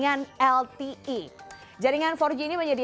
apa yang terjadi